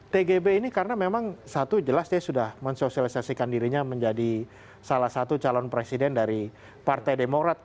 tgb ini karena memang satu jelas dia sudah mensosialisasikan dirinya menjadi salah satu calon presiden dari partai demokrat